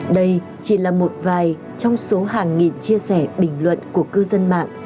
đây chỉ là một vài trong số hàng nghìn chia sẻ bình luận của cư dân mạng